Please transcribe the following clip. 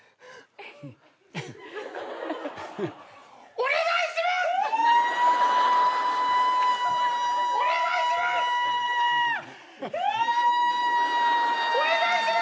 お願いします！